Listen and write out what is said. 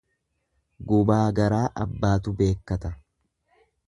Gubaa garaa abbaatu beekkata.